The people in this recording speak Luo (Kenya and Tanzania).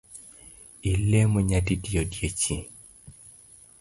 Ilemo nyadidi odiechieng’?